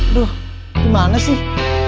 aduh gimana sih